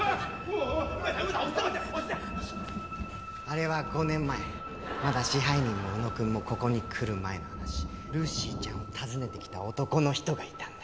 あれは５年前まだ支配人も浮野くんもここに来る前の話ルーシーちゃんを訪ねてきた男の人がいたんだ。